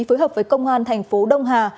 phối hợp với công an thành phố đông hà